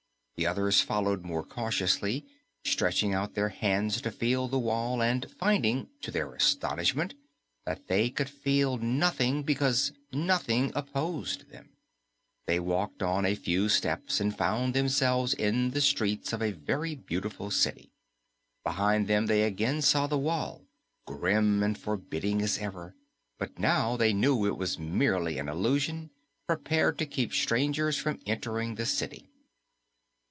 The others followed more cautiously, stretching out their hands to feel the wall and finding, to their astonishment, that they could feel nothing because nothing opposed them. They walked on a few steps and found themselves in the streets of a very beautiful city. Behind them they again saw the wall, grim and forbidding as ever, but now they knew it was merely an illusion prepared to keep strangers from entering the city.